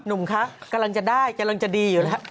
หนุ่มคะกำลังจะได้กำลังจะดีอยู่แล้ว